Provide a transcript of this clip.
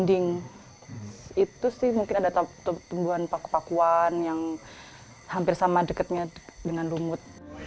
ding itu sih mungkin ada tumbuhan paku pakuan yang hampir sama deketnya dengan rumut